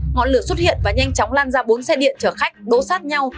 ngọn lửa xuất hiện và nhanh chóng lan ra bốn xe điện chở khách đỗ sát nhau